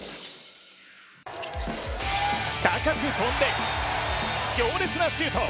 高く跳んで、強烈なシュート。